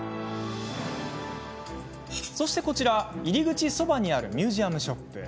そして、こちら入り口そばにあるミュージアムショップ。